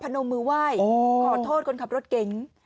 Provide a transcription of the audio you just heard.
นมมือไหว้ขอโทษคนขับรถเก๋ง